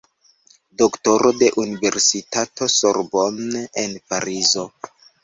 Doktoro de Universitato Sorbonne en Parizo.